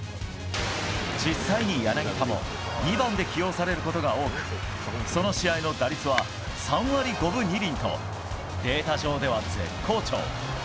実際に、柳田も２番で起用されることが多くその試合の打率は３割５分２厘とデータ上では絶好調。